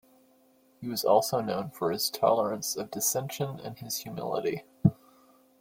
He was also known for his tolerance of dissension and his humility.